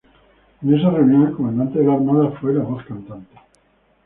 En esa reunión el comandante de la Armada fue la voz cantante.